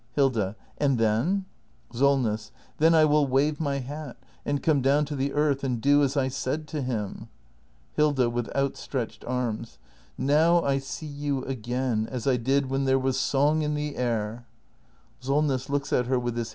Hilda. And then ? Solness. Then I will wave my hat — and come down to the earth — and do as I said to him. Hilda. [With outstretched arms.] Now I see you again as I did when there was song in the air!